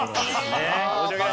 申し訳ない！